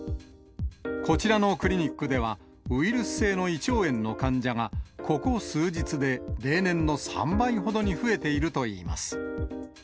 こちらのクリニックでは、ウイルス性の胃腸炎の患者が、ここ数日で例年の３倍ほどに増えているといいます。